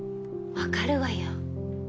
わかるわよ。